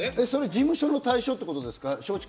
事務所の退所ってことですか？